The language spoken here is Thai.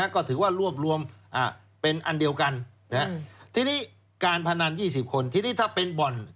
ก็ถือว่ารวบรวมเป็นอันเดียวกันทีนี้การพนัน๒๐คนทีนี้ถ้าเป็นบ่อน